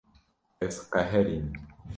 Ez qeherîm.